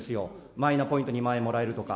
マイナポイント２万円もらえるとか。